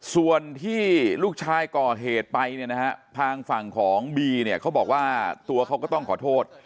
ส่วนที่ลูกชายก่อเหตุไปเนี่ยนะฮะทางฝั่งของบีเนี่ยเขาบอกว่าตัวเขาก็ต้องขอโทษ